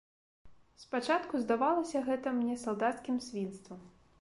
Спачатку здавалася гэта мне салдацкім свінствам.